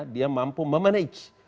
dia mampu memanaj